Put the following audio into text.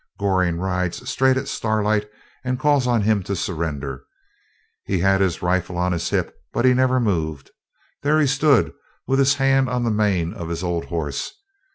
Goring rides straight at Starlight and calls on him to surrender. He had his rifle on his hip, but he never moved. There he stood, with his hand on the mane of the old horse.